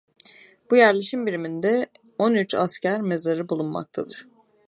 Bu yerleşim biriminde on üç asker mezarı bulunmaktadır.